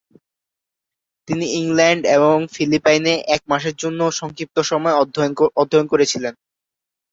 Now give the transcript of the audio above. তিনি ইংল্যান্ড এবং ফিলিপাইনে এক মাসের জন্য সংক্ষিপ্তসময় অধ্যয়ন করেছিলেন।